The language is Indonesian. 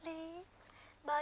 nanti aku mau pergi